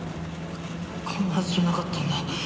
こんなはずじゃなかったんだ。